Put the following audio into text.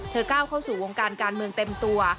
ก้าวเข้าสู่วงการการเมืองเต็มตัว